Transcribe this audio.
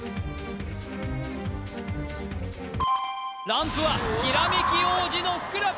ランプはひらめき王子のふくらＰ